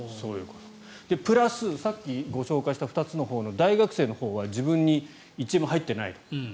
プラス、さっきご紹介した大学生のほうは自分に１円も入っていない。